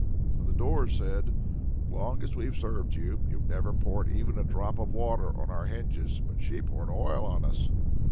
And the doors said, "Long as we've served you, you've never poured even a drop of water on our hinges; but she poured oil on us."